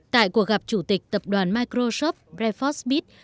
tại cuộc gặp chủ tịch tập đoàn microsoft breford smith